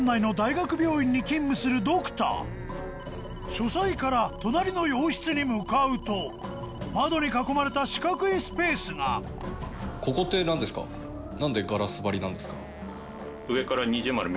書斎から隣の洋室に向かうと窓に囲まれた四角いスペースが何でガラス張りなんですか？